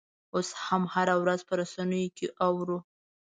اوس هم هره ورځ په رسنیو کې اورو.